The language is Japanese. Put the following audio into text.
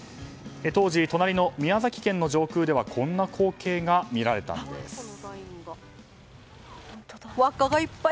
当時、隣の宮崎県の上空ではこんな光景が見られたんです。